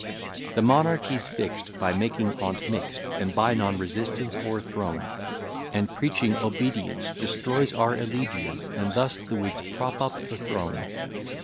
The monarchy's fixt, By making on't mixt, And by non resistance o'erthrown; And preaching obedience Destroys our allegiance, And thus the Whigs prop up the throne.